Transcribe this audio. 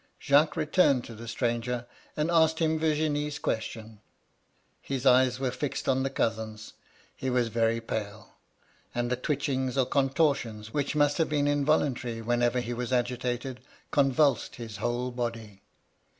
^* Jacques returned to the stranger, and asked him Vir^nie's question. His eyes were fixed on the cousins ;' he was very pale, and the twitchings or con tortions, which must hare been involuntary whenever he was a^tated, convulsed his whole body.